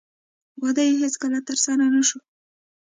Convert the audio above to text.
واده یې هېڅکله ترسره نه شو.